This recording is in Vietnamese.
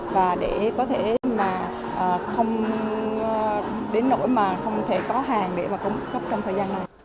và để có thể không bị tăng cường